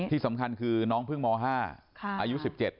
ที่สำคัญคือน้องเพิ่งม๕อายุ๑๗